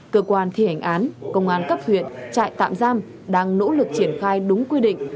cơ quan thi hành án công an cấp huyện trại tạm giam đang nỗ lực triển khai đúng quy định